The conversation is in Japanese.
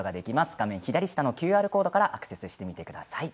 画面左下のＱＲコードからアクセスしてみてください。